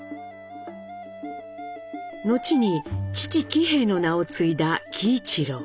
のちに父・喜兵衛の名を継いだ喜一郎。